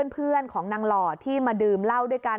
เพื่อนของนางหล่อที่มาดื่มเหล้าด้วยกัน